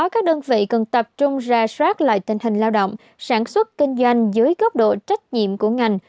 các đơn vị cần tập trung ra soát lại tình hình lao động sản xuất kinh doanh dưới gốc độ trách nhiệm của ngành